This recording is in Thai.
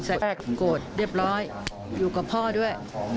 แรกโกรธเรียบร้อยอยู่กับพ่อด้วย